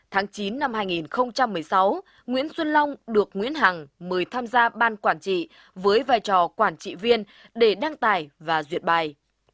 tháng chín năm hai nghìn một mươi sáu nguyễn xuân long được nguyễn hằng mời tham gia ban quản trị với vai trò quản trị viên để đăng tải và duyệt bài